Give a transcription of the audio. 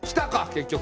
結局。